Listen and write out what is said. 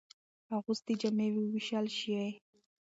اغوستي جامې ووېستل شوې.